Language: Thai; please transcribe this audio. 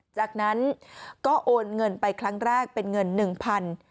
จากนั้นก็โอนเงินไปครั้งแรกเป็นเงิน๑๐๐บาท